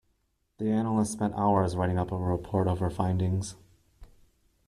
The analyst spent hours writing up a report of her findings.